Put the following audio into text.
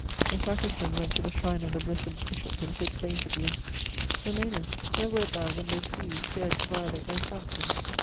The sacristan went to the shrine of the blessed bishop and said plaintively: "Germanus, where wert thou when those thieves dared to violate thy sanctuary?"